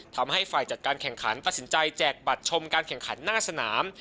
ทำให้ฝ่ายจัดการแข่งขันตัดสินใจแจกบัตรชมการแข่งขันหน้าสนาม